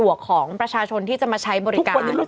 เป็นการกระตุ้นการไหลเวียนของเลือด